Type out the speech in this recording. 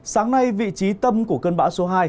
sáng nay vị trí tâm của cơn bão số hai